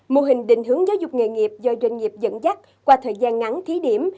mô hình định hướng giáo dục nghề nghiệp do doanh nghiệp dẫn dắt qua thời gian ngắn thí điểm